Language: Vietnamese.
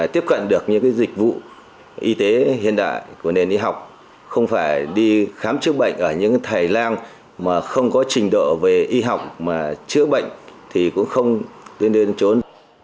tiếp cận được những dịch vụ y tế hiện đại của nền y học không phải đi khám chữa bệnh ở những thầy lang mà không có trình độ về y học mà chữa bệnh thì cũng không đến trốn